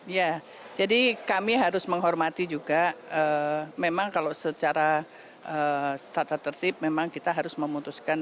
ya jadi kami harus menghormati juga memang kalau secara tata tertib memang kita harus memutuskan